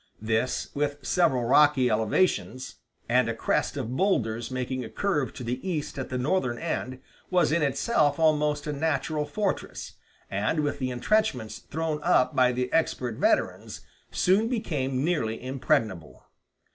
This, with several rocky elevations, and a crest of boulders making a curve to the east at the northern end, was in itself almost a natural fortress, and with the intrenchments thrown up by the expert veterans, soon became nearly impregnable.